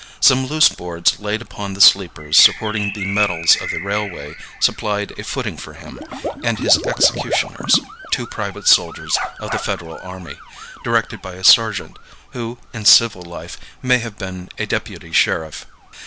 Some loose boards laid upon the sleepers supporting the metals of the railway supplied a footing for him, and his executioners two private soldiers of the Federal army, directed by a sergeant, who in civil life may have been a deputy sheriff.